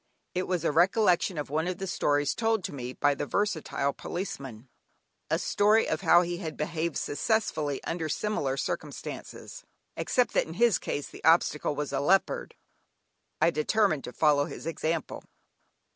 It was a recollection of one of the stories told me by the versatile policeman; a story of how he had behaved successfully under similar circumstances, except that in his case the obstacle was a leopard. I determined to follow his example.